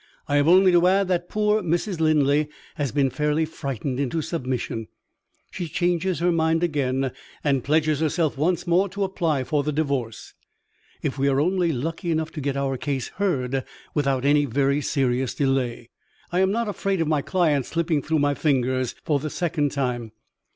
I have only to add that poor Mrs. Linley has been fairly frightened into submission. She changes her mind again, and pledges herself once more to apply for the Divorce. If we are only lucky enough to get our case heard without any very serious delay, I am not afraid of my client slipping through my fingers for the second time.